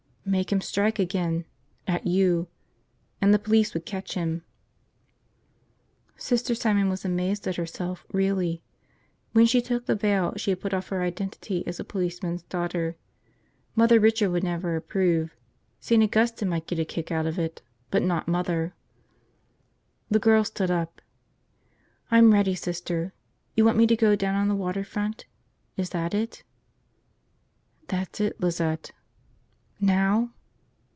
"Make him strike again. At you. And the police would catch him." Sister Simon was amazed at herself, really. When she took the veil she had put off her identity as a policeman's daughter. Mother Richard would never approve. St. Augustine might get a kick out of it, but not Mother. The girl stood up. "I'm ready, Sister. You want me to go down on the water front – is that it?" "That's it, Lizette." "Now?"